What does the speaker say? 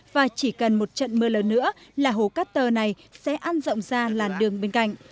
và chỉ cần một trận mưa lớn nữa là hố cát tơ này sẽ ăn rộng ra làn đường bên cạnh